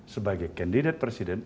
sebagai kandidat presiden